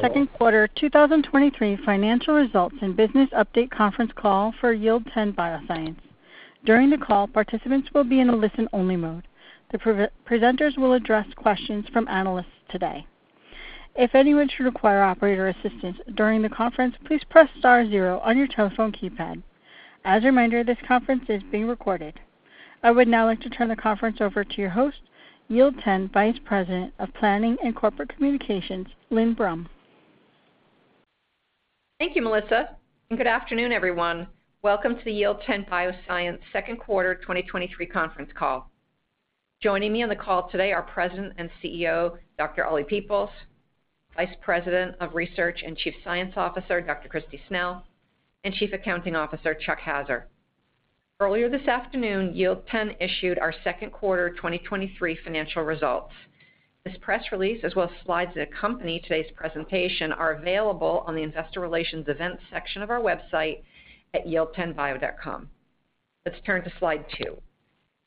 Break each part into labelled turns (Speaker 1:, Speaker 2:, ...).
Speaker 1: second quarter 2023 financial results and business update conference call for Yield10 Bioscience. During the call, participants will be in a listen-only mode. The presenters will address questions from analysts today. If anyone should require operator assistance during the conference, please press star 0 on your telephone keypad. As a reminder, this conference is being recorded. I would now like to turn the conference over to your host, Yield10 Vice President of Planning and Corporate Communications, Lynne Brum.
Speaker 2: Thank you, Melissa. Good afternoon, everyone. Welcome to the Yield10 Bioscience second quarter 2023 conference call. Joining me on the call today are President and CEO, Dr. Oliver Peoples, Vice President of Research and Chief Science Officer, Dr. Kristi Snell, and Chief Accounting Officer, Chuck Haaser. Earlier this afternoon, Yield10 issued our second quarter 2023 financial results. This press release, as well as slides that accompany today's presentation, are available on the Investor Relations Events section of our website at yield10bio.com. Let's turn to slide 2.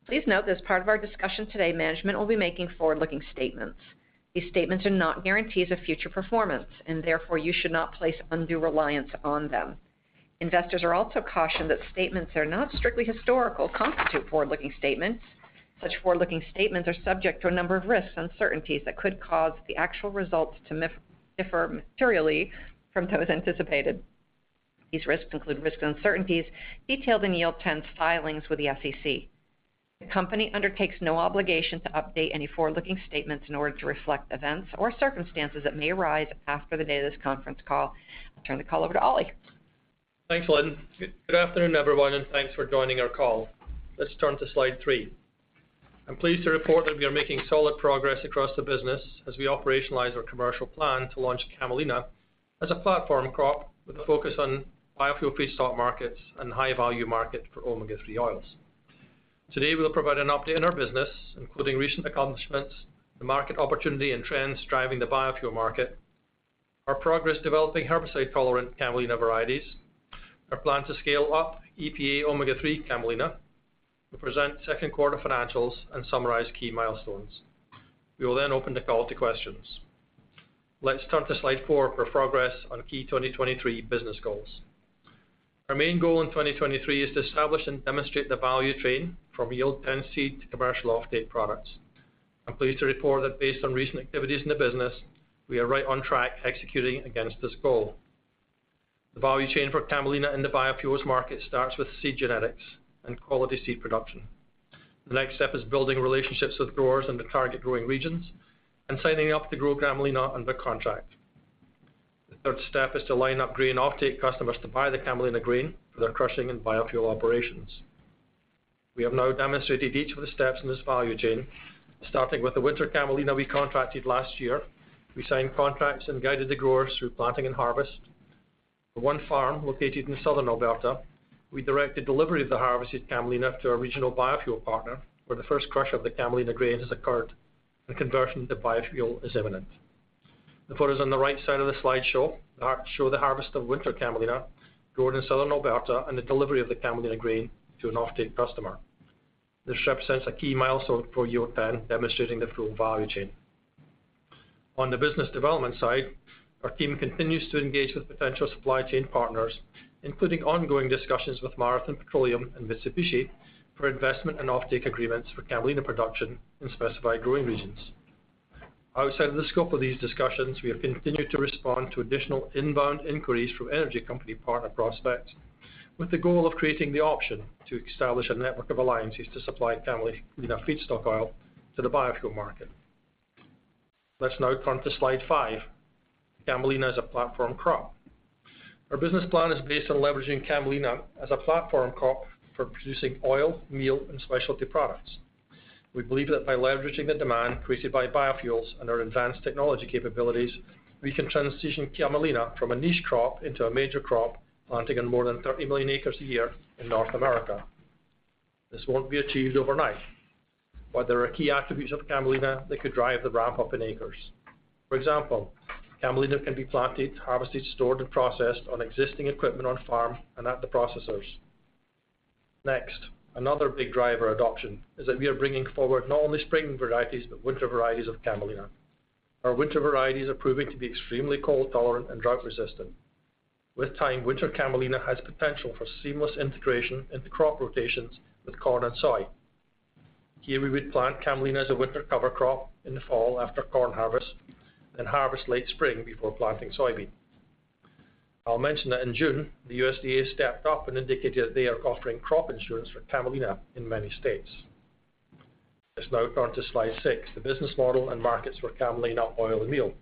Speaker 2: Please note that as part of our discussion today, management will be making forward-looking statements. These statements are not guarantees of future performance, and therefore, you should not place undue reliance on them. Investors are also cautioned that statements that are not strictly historical constitute forward-looking statements. Such forward-looking statements are subject to a number of risks and uncertainties that could cause the actual results to differ materially from those anticipated. These risks include risks and uncertainties detailed in Yield10's filings with the SEC. The company undertakes no obligation to update any forward-looking statements in order to reflect events or circumstances that may arise after the date of this conference call. I'll turn the call over to Oli.
Speaker 3: Thanks, Lynn. Good, good afternoon, everyone, thanks for joining our call. Let's turn to slide 3. I'm pleased to report that we are making solid progress across the business as we operationalize our commercial plan to launch Camelina as a platform crop, with a focus on biofuel feedstock markets and high-value market for omega-3 oils. Today, we will provide an update on our business, including recent accomplishments, the market opportunity and trends driving the biofuel market, our progress developing herbicide-tolerant Camelina varieties, our plan to scale up EPA omega-3 Camelina, we present second quarter financials and summarize key milestones. We will open the call to questions. Let's turn to slide 4 for progress on key 2023 business goals. Our main goal in 2023 is to establish and demonstrate the value chain from Yield10 seed to commercial offtake products. I'm pleased to report that based on recent activities in the business, we are right on track executing against this goal. The value chain for Camelina in the biofuels market starts with seed genetics and quality seed production. The next step is building relationships with growers in the target growing regions and signing up to grow Camelina under contract. The third step is to line up grain offtake customers to buy the Camelina grain for their crushing and biofuel operations. We have now demonstrated each of the steps in this value chain, starting with the winter Camelina we contracted last year. We signed contracts and guided the growers through planting and harvest. For one farm located in southern Alberta, we directed delivery of the harvested Camelina to a regional biofuel partner, where the first crush of the Camelina grain has occurred, and conversion to biofuel is imminent. The photos on the right side of the slide show the harvest of Winter Camelina grown in Southern Alberta and the delivery of the Camelina grain to an offtake customer. This represents a key milestone for Yield10, demonstrating the full value chain. On the business development side, our team continues to engage with potential supply chain partners, including ongoing discussions with Marathon Petroleum and Mitsubishi, for investment and offtake agreements for Camelina production in specified growing regions. Outside of the scope of these discussions, we have continued to respond to additional inbound inquiries from energy company partner prospects, with the goal of creating the option to establish a network of alliances to supply Camelina feedstock oil to the biofuel market. Let's now turn to slide 5: Camelina as a platform crop. Our business plan is based on leveraging Camelina as a platform crop for producing oil, meal, and specialty products. We believe that by leveraging the demand created by biofuels and our advanced technology capabilities, we can transition Camelina from a niche crop into a major crop, planting on more than 30 million acres a year in North America. This won't be achieved overnight, but there are key attributes of Camelina that could drive the ramp-up in acres. For example, Camelina can be planted, harvested, stored, and processed on existing equipment on farm and at the processors. Next, another big driver adoption is that we are bringing forward not only spring varieties, but winter varieties of Camelina. Our winter varieties are proving to be extremely cold-tolerant and drought-resistant. With time, winter Camelina has potential for seamless integration into crop rotations with corn and soy. Here, we would plant Camelina as a winter cover crop in the fall after corn harvest, and harvest late spring before planting soybean. I'll mention that in June, the USDA stepped up and indicated that they are offering crop insurance for Camelina in many states. Let's now turn to slide 6, the business model and markets for Camelina oil and meal.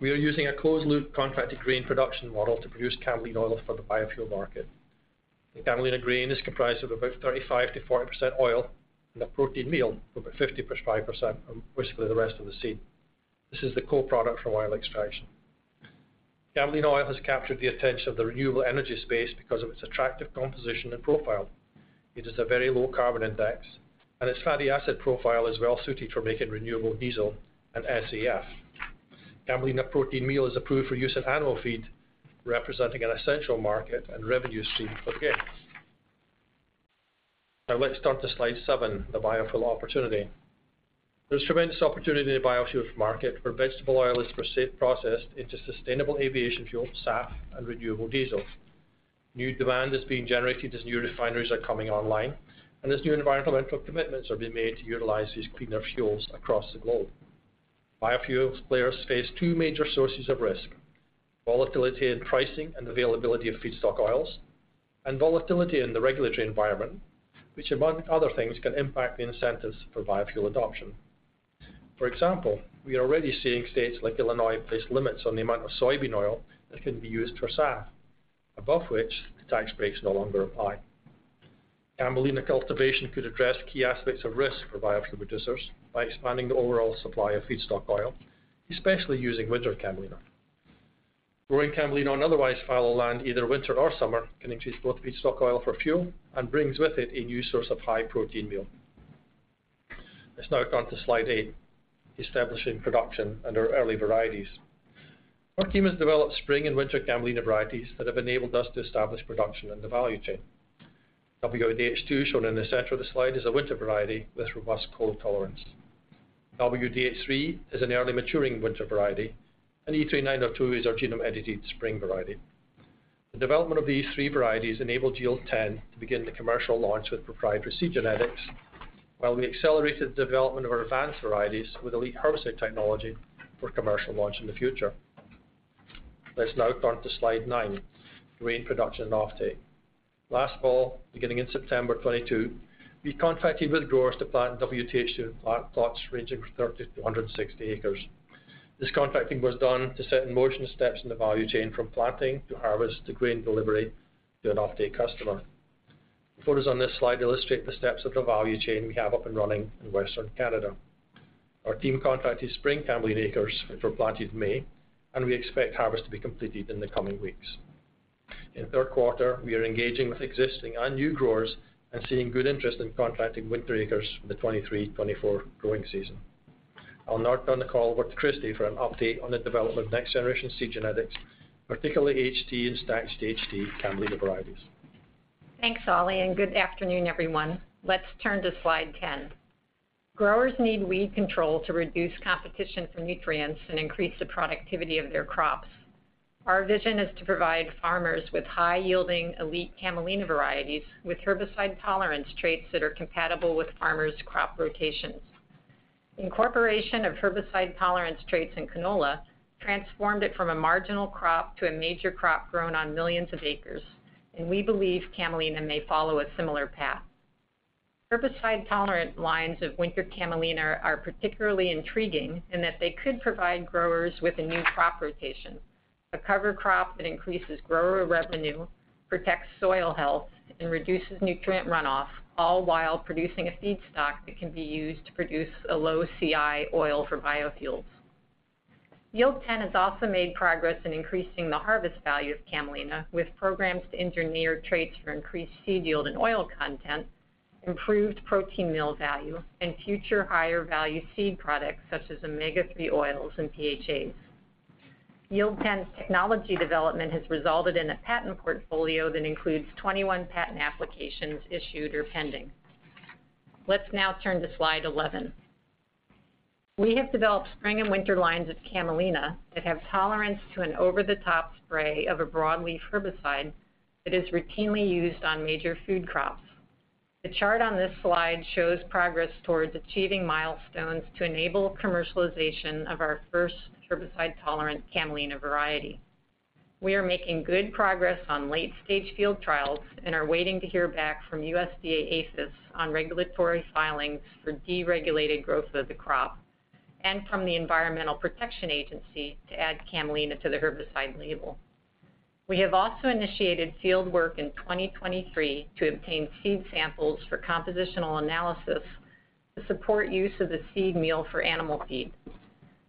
Speaker 3: We are using a closed-loop contracted grain production model to produce Camelina oil for the biofuel market. The Camelina grain is comprised of about 35%-40% oil, and the protein meal, about 50%+5%, and basically, the rest of the seed. This is the co-product from oil extraction. Camelina oil has captured the attention of the renewable energy space because of its attractive composition and profile. It is a very low carbon intensity, and its fatty acid profile is well suited for making renewable diesel and SAF. Camelina protein meal is approved for use in animal feed, representing an essential market and revenue stream for the grain. Now let's turn to slide 7, the biofuel opportunity. There's tremendous opportunity in the biofuel market, where vegetable oil is processed into sustainable aviation fuel, SAF, and renewable diesel. New demand is being generated as new refineries are coming online, and as new environmental commitments are being made to utilize these cleaner fuels across the globe. Biofuels players face two major sources of risk: volatility in pricing and availability of feedstock oils, and volatility in the regulatory environment, which, among other things, can impact the incentives for biofuel adoption. For example, we are already seeing states like Illinois place limits on the amount of soybean oil that can be used for SAF, above which the tax breaks no longer apply. Camelina cultivation could address key aspects of risk for biofuel producers by expanding the overall supply of feedstock oil, especially using winter Camelina. Growing Camelina on otherwise fallow land, either winter or summer, can increase both feedstock oil for fuel and brings with it a new source of high-protein meal. Let's now turn to slide 8, establishing production and our early varieties. Our team has developed spring and winter Camelina varieties that have enabled us to establish production in the value chain. WDH2, shown in the center of the slide, is a winter variety with robust cold tolerance. WDH3 is an early-maturing winter variety, and E3902 is our genome-edited spring variety. The development of these three varieties enabled Yield10 to begin the commercial launch with proprietary seed genetics, while we accelerated the development of our advanced varieties with elite herbicide technology for commercial launch in the future. Let's now turn to slide 9, grain production and offtake. Last fall, beginning in September 2022, we contracted with growers to plant WDH2 plant plots ranging from 30 to 160 acres. This contracting was done to set in motion steps in the value chain, from planting, to harvest, to grain delivery, to an offtake customer. The photos on this slide illustrate the steps of the value chain we have up and running in Western Canada. Our team contracted spring Camelina acres, which were planted in May. We expect harvest to be completed in the coming weeks. In the third quarter, we are engaging with existing and new growers and seeing good interest in contracting winter acres for the 2023-2024 growing season. I'll now turn the call over to Kristi for an update on the development of next-generation seed genetics, particularly HT and stacked HT Camelina varieties.
Speaker 4: Thanks, Oli, and good afternoon, everyone. Let's turn to slide 10. Growers need weed control to reduce competition for nutrients and increase the productivity of their crops. Our vision is to provide farmers with high-yielding, elite Camelina varieties, with herbicide-tolerance traits that are compatible with farmers' crop rotations. Incorporation of herbicide-tolerance traits in canola transformed it from a marginal crop to a major crop grown on millions of acres, and we believe Camelina may follow a similar path. Herbicide-tolerant lines of winter Camelina are particularly intriguing in that they could provide growers with a new crop rotation, a cover crop that increases grower revenue, protects soil health, and reduces nutrient runoff, all while producing a feedstock that can be used to produce a low-CI oil for biofuels. Yield10 has also made progress in increasing the harvest value of Camelina, with programs to engineer traits for increased seed yield and oil content, improved protein meal value, and future higher-value seed products, such as omega-3 oils and PHAs. Yield10's technology development has resulted in a patent portfolio that includes 21 patent applications issued or pending. Let's now turn to slide 11. We have developed spring and winter lines of Camelina that have tolerance to an over-the-top spray of a broadleaf herbicide that is routinely used on major food crops. The chart on this slide shows progress towards achieving milestones to enable commercialization of our first herbicide-tolerant Camelina variety. We are making good progress on late-stage field trials and are waiting to hear back from USDA APHIS on regulatory filings for deregulated growth of the crop and from the Environmental Protection Agency to add Camelina to the herbicide label. We have also initiated field work in 2023 to obtain seed samples for compositional analysis to support use of the seed meal for animal feed.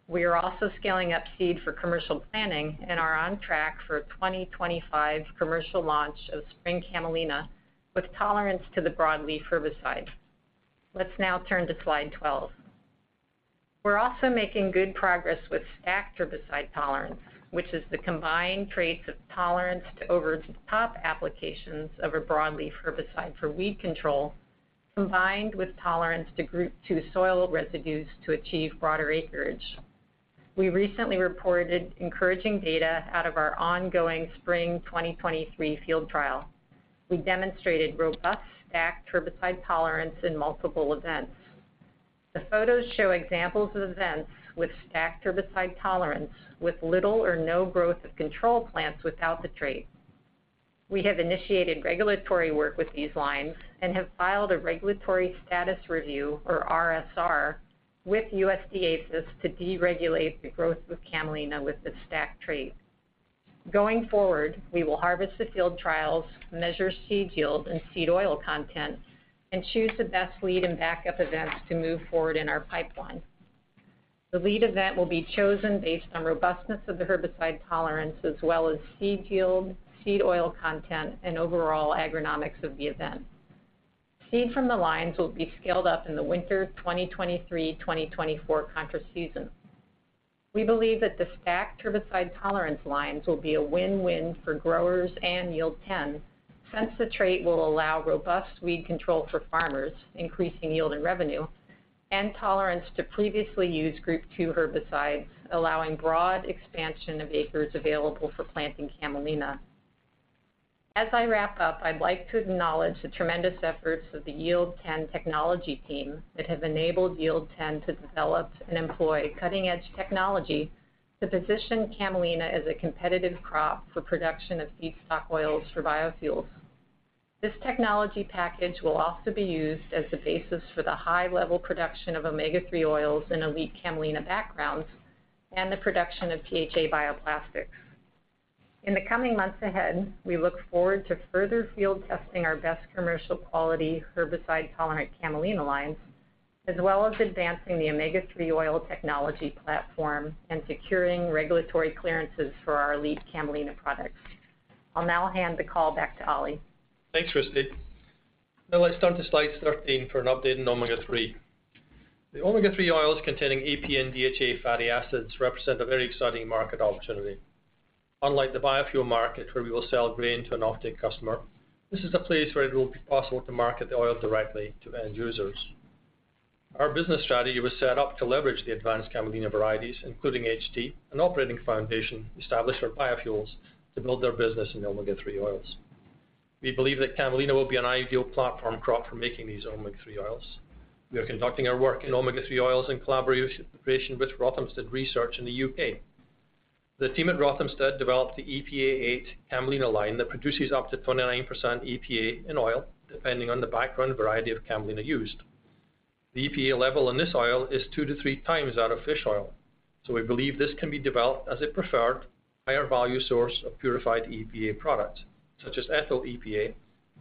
Speaker 4: We are also scaling up seed for commercial planting and are on track for a 2025 commercial launch of spring Camelina with tolerance to the broadleaf herbicide. Let's now turn to slide 12. We're also making good progress with stacked herbicide tolerance, which is the combined traits of tolerance to over-the-top applications of a broadleaf herbicide for weed control, combined with tolerance to Group 2 soil residues to achieve broader acreage. We recently reported encouraging data out of our ongoing spring 2023 field trial. We demonstrated robust stacked herbicide tolerance in multiple events. The photos show examples of events with stacked herbicide tolerance, with little or no growth of control plants without the trait. We have initiated regulatory work with these lines and have filed a regulatory status review, or RSR, with USDA APHIS to deregulate the growth of camelina with the stacked trait. Going forward, we will harvest the field trials, measure seed yield and seed oil content, and choose the best lead and backup events to move forward in our pipeline. The lead event will be chosen based on robustness of the herbicide tolerance, as well as seed yield, seed oil content, and overall agronomics of the event. Seed from the lines will be scaled up in the winter of 2023/2024 contract season. We believe that the stacked herbicide tolerance lines will be a win-win for growers and Yield10, since the trait will allow robust weed control for farmers, increasing yield and revenue, and tolerance to previously used Group 2 herbicides, allowing broad expansion of acres available for planting camelina. As I wrap up, I'd like to acknowledge the tremendous efforts of the Yield10 technology team that have enabled Yield10 to develop and employ cutting-edge technology to position camelina as a competitive crop for production of feedstock oils for biofuels. This technology package will also be used as the basis for the high-level production of Omega-3 oils in elite camelina backgrounds and the production of PHA bioplastics. In the coming months ahead, we look forward to further field testing our best commercial quality herbicide-tolerant camelina lines, as well as advancing the Omega-3 oil technology platform and securing regulatory clearances for our elite camelina products. I'll now hand the call back to Oli.
Speaker 3: Thanks, Kristi. Now, let's turn to slide 13 for an update on omega-3. The omega-3 oils containing EPA and DHA fatty acids represent a very exciting market opportunity. Unlike the biofuel market, where we will sell grain to an offtake customer, this is a place where it will be possible to market the oil directly to end users. Our business strategy was set up to leverage the advanced Camelina varieties, including HT, an operating foundation established for biofuels, to build their business in omega-3 oils. We believe that Camelina will be an ideal platform crop for making these omega-3 oils. We are conducting our work in omega-3 oils in collaboration with Rothamsted Research in the UK. The team at Rothamsted developed the EPA8 Camelina line that produces up to 29% EPA in oil, depending on the background variety of Camelina used. The EPA level in this oil is 2-3 times that of fish oil, we believe this can be developed as a preferred, higher-value source of purified EPA products, such as ethyl EPA,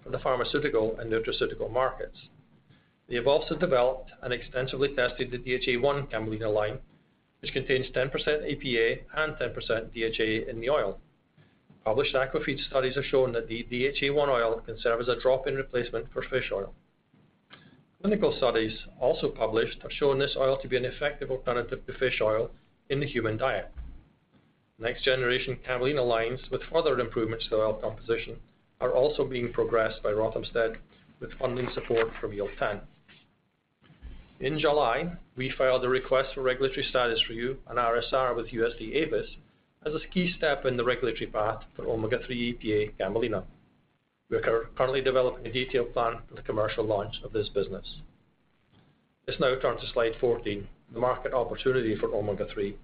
Speaker 3: for the pharmaceutical and nutraceutical markets. They have also developed and extensively tested the DHA1 Camelina line, which contains 10% EPA and 10% DHA in the oil. Published aquafeed studies have shown that the DHA1 oil can serve as a drop-in replacement for fish oil. Clinical studies, also published, have shown this oil to be an effective alternative to fish oil in the human diet. Next-generation Camelina lines with further improvements to oil composition are also being progressed by Rothamsted, with funding support from Yield10. In July, we filed a request for regulatory status review, an RSR, with USDA-APHIS, as a key step in the regulatory path for omega-3 EPA Camelina. We are currently developing a detailed plan for the commercial launch of this business. Let's now turn to slide 14, the market opportunity for omega-3.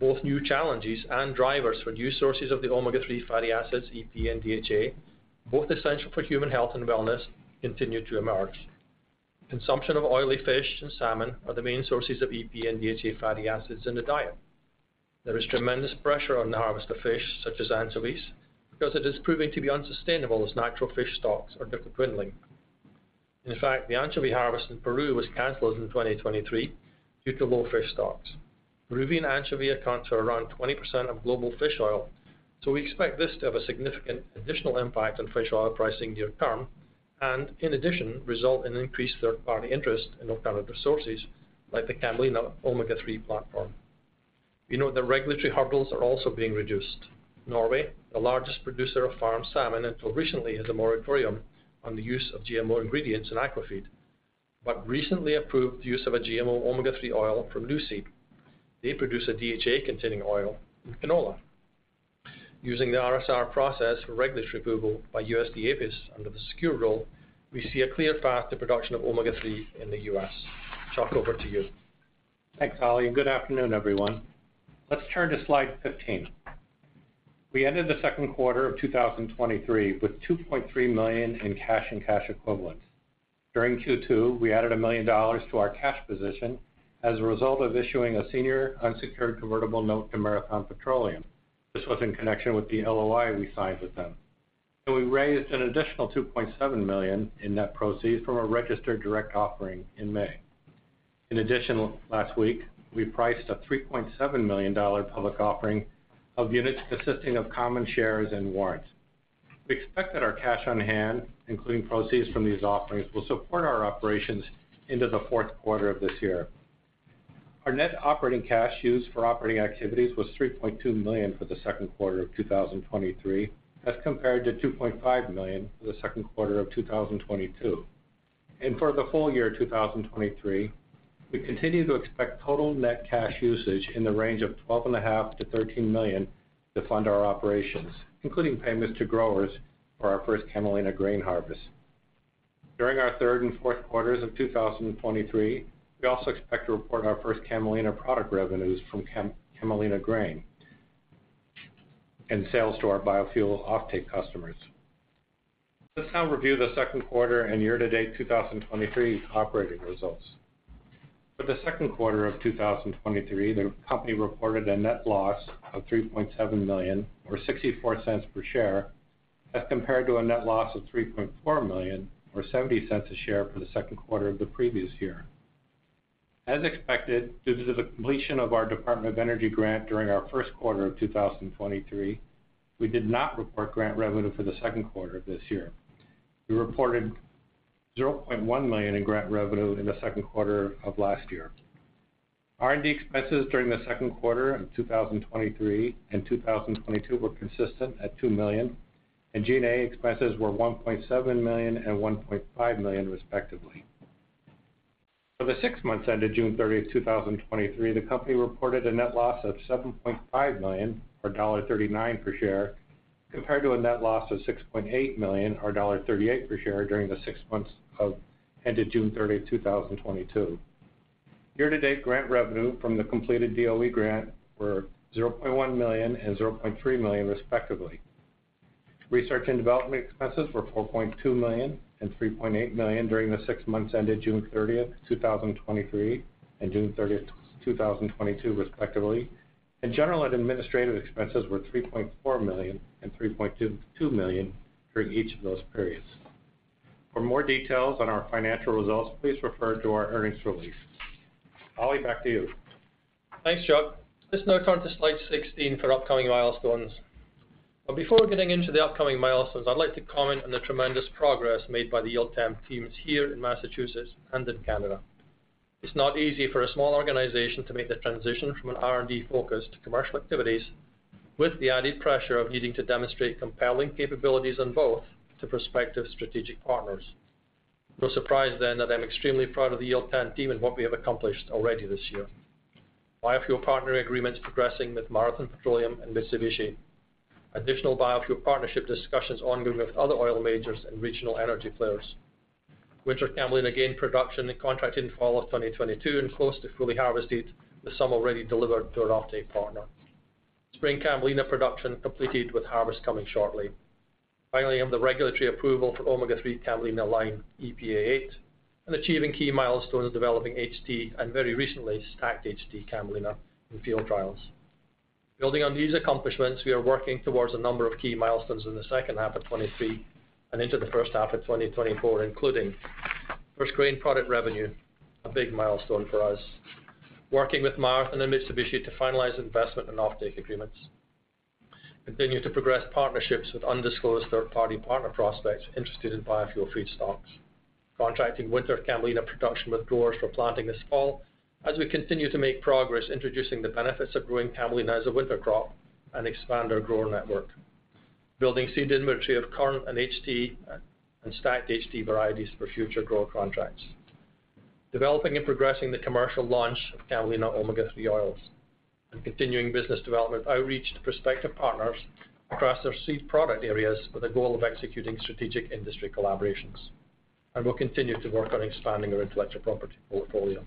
Speaker 3: Both new challenges and drivers for new sources of the omega-3 fatty acids, EPA and DHA, both essential for human health and wellness, continue to emerge. Consumption of oily fish and salmon are the main sources of EPA and DHA fatty acids in the diet. There is tremendous pressure on the harvest of fish, such as anchovies, because it is proving to be unsustainable as natural fish stocks are declining. In fact, the anchovy harvest in Peru was canceled in 2023 due to low fish stocks. Peruvian anchovy accounts for around 20% of global fish oil, so we expect this to have a significant additional impact on fish oil pricing near term, and in addition, result in increased third-party interest in alternative sources like the Camelina omega-3 platform. We know the regulatory hurdles are also being reduced. Norway, the largest producer of farmed salmon, until recently, had a moratorium on the use of GMO ingredients in aquafeed, but recently approved the use of a GMO omega-3 oil from Nuseed. They produce a DHA-containing oil in canola. Using the RSR process for regulatory approval by USDA-APHIS under the SECURE Rule, we see a clear path to production of omega-3 in the U.S. Chuck, over to you.
Speaker 5: Thanks, Oli. Good afternoon, everyone. Let's turn to slide 15. We ended the second quarter of 2023 with $2.3 million in cash and cash equivalents. During Q2, we added $1 million to our cash position as a result of issuing a senior unsecured convertible note to Marathon Petroleum. This was in connection with the LOI we signed with them. We raised an additional $2.7 million in net proceeds from a registered direct offering in May. In addition, last week, we priced a $3.7 million public offering of units consisting of common shares and warrants. We expect that our cash on hand, including proceeds from these offerings, will support our operations into the fourth quarter of this year. Our net operating cash used for operating activities was $3.2 million for the second quarter of 2023, as compared to $2.5 million for the second quarter of 2022. For the full year 2023, we continue to expect total net cash usage in the range of $12.5 million-$13 million to fund our operations, including payments to growers for our first camelina grain harvest. During our third and fourth quarters of 2023, we also expect to report our first camelina product revenues from camelina grain and sales to our biofuel offtake customers. Let's now review the second quarter and year-to-date 2023 operating results. For the second quarter of 2023, the company reported a net loss of $3.7 million, or $0.64 per share, as compared to a net loss of $3.4 million, or $0.70 a share, for the second quarter of the previous year. As expected, due to the completion of our Department of Energy grant during our first quarter of 2023, we did not report grant revenue for the second quarter of this year. $0.1 million in grant revenue in the second quarter of last year. R&D expenses during the second quarter of 2023 and 2022 were consistent at $2 million, and G&A expenses were $1.7 million and $1.5 million, respectively. For the six months ended June 30, 2023, the company reported a net loss of $7.5 million, or $1.39 per share, compared to a net loss of $6.8 million, or $0.38 per share, during the six months ended June 30, 2022. Year-to-date grant revenue from the completed DOE grant were $0.1 million and $0.3 million, respectively. Research and development expenses were $4.2 million and $3.8 million during the six months ended June 30, 2023, and June 30, 2022, respectively. General and administrative expenses were $3.4 million and $3.2 million for each of those periods. For more details on our financial results, please refer to our earnings release. Oli, back to you.
Speaker 3: Thanks, Chuck. Let's now turn to slide 16 for upcoming milestones. Before getting into the upcoming milestones, I'd like to comment on the tremendous progress made by the Yield10 teams here in Massachusetts and in Canada. It's not easy for a small organization to make the transition from an R&D focus to commercial activities, with the added pressure of needing to demonstrate compelling capabilities on both to prospective strategic partners. No surprise then, that I'm extremely proud of the Yield10 team and what we have accomplished already this year. Biofuel partner agreements progressing with Marathon Petroleum and Mitsubishi. Additional biofuel partnership discussions ongoing with other oil majors and regional energy players. Winter Camelina, again, production and contracted in fall of 2022 and close to fully harvested, with some already delivered to an offtake partner. Spring Camelina production completed, with harvest coming shortly. Finally, on the regulatory approval for omega-3 Camelina line EPA8, and achieving key milestones of developing HT, and very recently, stacked HT Camelina in field trials. Building on these accomplishments, we are working towards a number of key milestones in the second half of 2023 and into the first half of 2024, including first grain product revenue, a big milestone for us. Working with Marathon and Mitsubishi to finalize investment and offtake agreements. Continuing to progress partnerships with undisclosed third-party partner prospects interested in biofuel feedstocks. Contracting winter Camelina production with growers for planting this fall, as we continue to make progress introducing the benefits of growing Camelina as a winter crop and expand our grower network. Building seed inventory of current and HT, and stacked HT varieties for future grower contracts. Developing and progressing the commercial launch of camelina omega-3 oils, and continuing business development outreach to prospective partners across their seed product areas with the goal of executing strategic industry collaborations. We'll continue to work on expanding our intellectual property portfolio.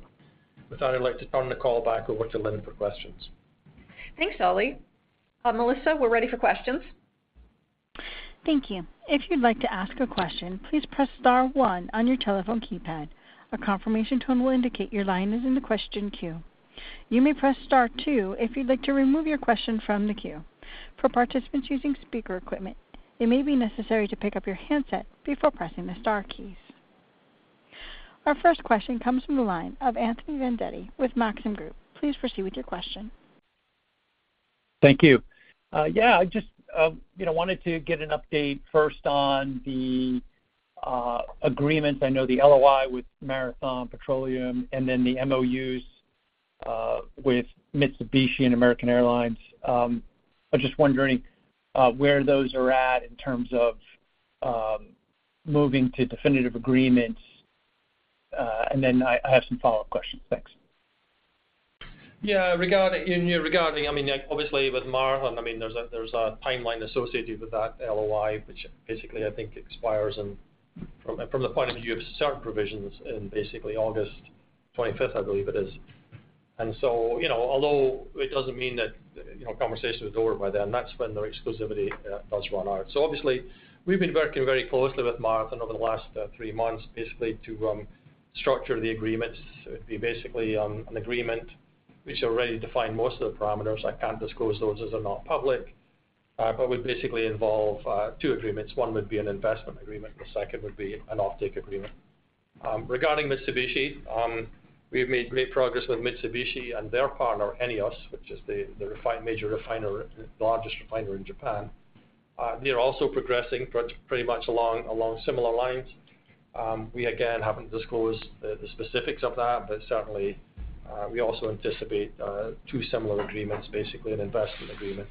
Speaker 3: With that, I'd like to turn the call back over to Lynn for questions.
Speaker 2: Thanks, Oli. Melissa, we're ready for questions.
Speaker 1: Thank you. If you'd like to ask a question, please press star one on your telephone keypad. A confirmation tone will indicate your line is in the question queue. You may press star two if you'd like to remove your question from the queue. For participants using speaker equipment, it may be necessary to pick up your handset before pressing the star keys. Our first question comes from the line of Anthony Vendetti with Maxim Group. Please proceed with your question.
Speaker 6: Thank you. Yeah, I just, you know, wanted to get an update first on the agreements. I know the LOI with Marathon Petroleum and then the MOUs with Mitsubishi and American Airlines. I'm just wondering where those are at in terms of moving to definitive agreements, and then I, I have some follow-up questions. Thanks.
Speaker 3: Yeah, regarding, regarding, I mean, obviously with Marathon, I mean, there's a, there's a timeline associated with that LOI, which basically, I think, expires in. From the point of view of certain provisions in basically August 25th, I believe it is. So, you know, although it doesn't mean that, you know, conversation is over by then, that's when the exclusivity does run out. Obviously, we've been working very closely with Marathon over the last 3 months, basically, to structure the agreements. It'd be basically an agreement which will really define most of the parameters. I can't disclose those, as they're not public, but would basically involve 2 agreements. One would be an investment agreement, the second would be an offtake agreement. Regarding Mitsubishi, we've made great progress with Mitsubishi and their partner, ENEOS, which is the major refiner, the largest refiner in Japan. They are also progressing pretty much along similar lines. We again, haven't disclosed the specifics of that, but certainly, we also anticipate two similar agreements, basically an investment agreement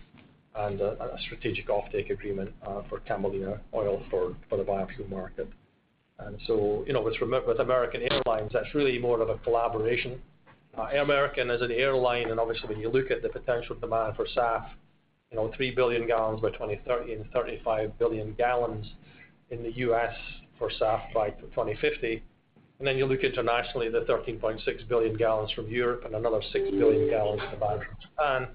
Speaker 3: and a strategic offtake agreement for Camelina oil for the biofuel market. So, you know, with American Airlines, that's really more of a collaboration. American as an airline, and obviously, when you look at the potential demand for SAF, you know, 3 billion gallons by 2030, and 35 billion gallons in the US for SAF by 2050. Then you look internationally, the 13.6 billion gallons from Europe and another 6 billion gallons from Japan.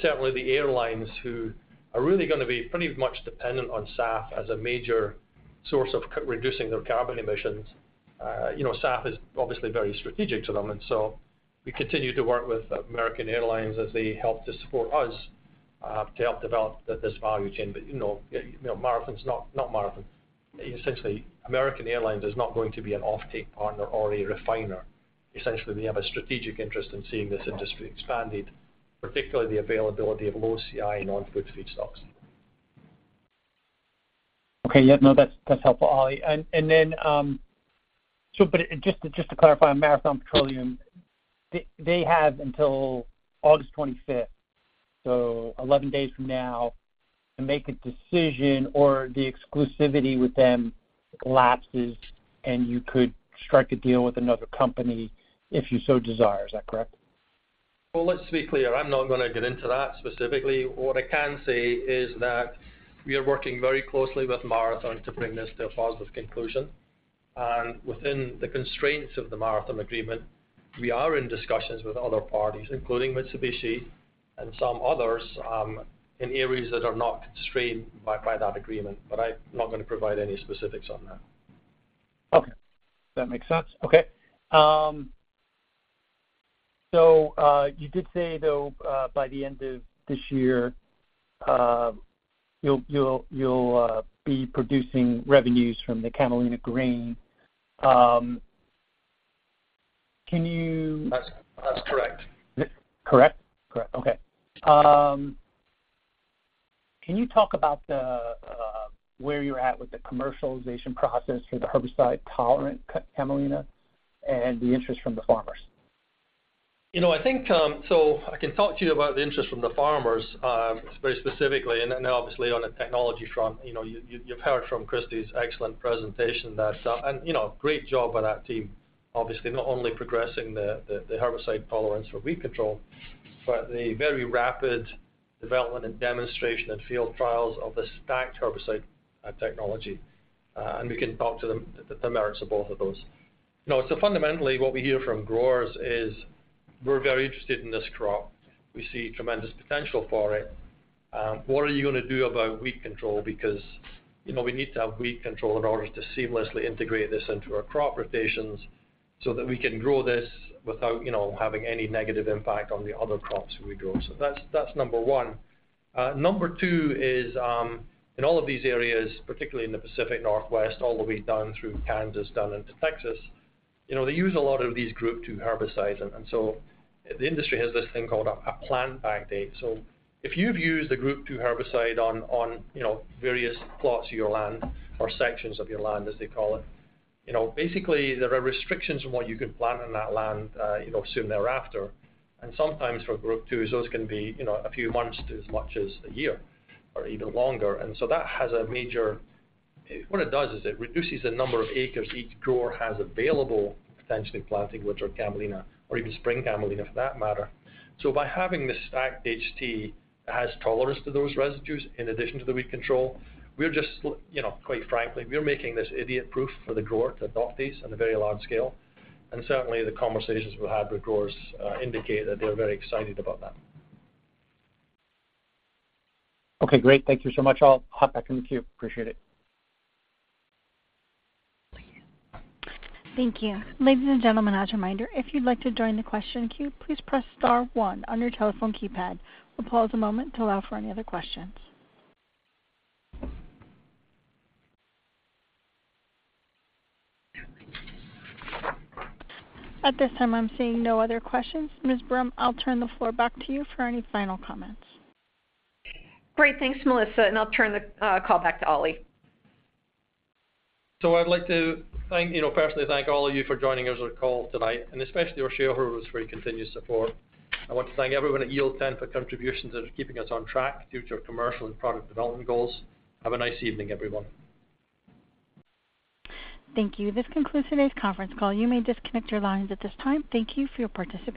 Speaker 3: Certainly, the airlines, who are really going to be pretty much dependent on SAF as a major source of reducing their carbon emissions, you know, SAF is obviously very strategic to them. So we continue to work with American Airlines as they help to support us, to help develop this value chain. You know, essentially, American Airlines is not going to be an offtake partner or a refiner. Essentially, they have a strategic interest in seeing this industry expanded, particularly the availability of low CI non-food feedstocks.
Speaker 6: Okay, yeah, no, that's, that's helpful, Oli. Just to clarify on Marathon Petroleum, they, they have until August 25th, so 11 days from now, to make a decision or the exclusivity with them lapses, and you could strike a deal with another company if you so desire. Is that correct?
Speaker 3: Well, let's be clear. I'm not gonna get into that specifically. What I can say is that we are working very closely with Marathon to bring this to a positive conclusion. Within the constraints of the Marathon agreement, we are in discussions with other parties, including Mitsubishi and some others, in areas that are not constrained by, by that agreement. I'm not gonna provide any specifics on that.
Speaker 6: Okay, that makes sense. Okay. You did say, though, by the end of this year, you'll be producing revenues from the Camelina grain.
Speaker 3: That's, that's correct.
Speaker 6: Correct? Correct. Okay. Can you talk about the where you're at with the commercialization process for the herbicide-tolerant Camelina and the interest from the farmers?
Speaker 3: You know, I think I can talk to you about the interest from the farmers, very specifically, and then, obviously, on the technology front. You know, you, you've heard from Kristi's excellent presentation that... you know, great job by that team, obviously, not only progressing the, the, the herbicide tolerance for weed control, but the very rapid development and demonstration and field trials of the stacked herbicide technology. And we can talk to the, the merits of both of those. Fundamentally, what we hear from growers is, "We're very interested in this crop. We see tremendous potential for it. What are you gonna do about weed control? You know, we need to have weed control in order to seamlessly integrate this into our crop rotations, so that we can grow this without, you know, having any negative impact on the other crops we grow. That's, that's number one. Number two is, in all of these areas, particularly in the Pacific Northwest, all the way down through Kansas, down into Texas, you know, they use a lot of these Group 2 herbicides. The industry has this thing called a, a plant-back date. If you've used a Group 2 herbicide on, on, you know, various plots of your land or sections of your land, as they call it, you know, basically, there are restrictions on what you can plant on that land, you know, soon thereafter. Sometimes for Group 2s, those can be, you know, a few months to as much as a year or even longer. That has a major... What it does is it reduces the number of acres each grower has available, potentially planting winter Camelina or even spring Camelina, for that matter. By having the stacked HT, it has tolerance to those residues in addition to the weed control. We're just, you know, quite frankly, we're making this idiot-proof for the grower to adopt these on a very large scale. Certainly, the conversations we've had with growers indicate that they're very excited about that.
Speaker 6: Okay, great. Thank you so much. I'll hop back in the queue. Appreciate it.
Speaker 1: Thank you. Ladies and gentlemen, as a reminder, if you'd like to join the question queue, please press star one on your telephone keypad. We'll pause a moment to allow for any other questions. At this time, I'm seeing no other questions. Ms. Brum, I'll turn the floor back to you for any final comments.
Speaker 2: Great. Thanks, Melissa, and I'll turn the call back to Oli.
Speaker 3: I'd like to thank, you know, personally thank all of you for joining us on the call tonight, and especially our shareholders for your continued support. I want to thank everyone at Yield10 for contributions that are keeping us on track, future commercial and product development goals. Have a nice evening, everyone.
Speaker 1: Thank you. This concludes today's conference call. You may disconnect your lines at this time. Thank you for your participation.